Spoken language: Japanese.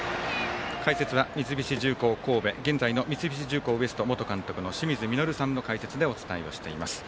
解説は三菱重工神戸現在の三菱重工Ｗｅｓｔ元監督の清水稔さんの解説でお伝えをしています。